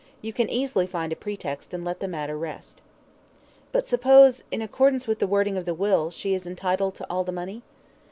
You can easily find a pretext, and let the matter rest." "But suppose, in accordance with the wording of the will, she is entitled to all the money?"